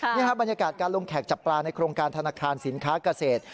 นี่ครับบรรยากาศการลงแขกจับปลาในโครงการธนาคารสินค้าเกษตร